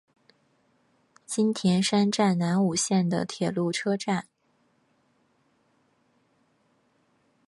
津田山站南武线的铁路车站。